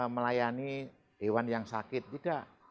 melayani hewan yang sakit tidak